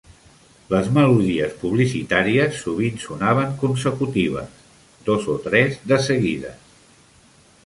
Les melodies publicitàries sovint sonaven consecutives, dos o tres de seguides.